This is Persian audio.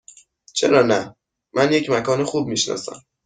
چرا نه؟ من یک مکان خوب می شناسم.